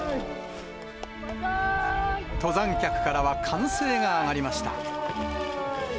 登山客からは歓声が上がりました。